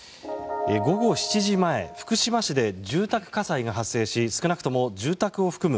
午後７時前、福島市で住宅火災が発生し少なくとも住宅を含む